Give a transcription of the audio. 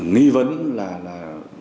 nghi vấn là là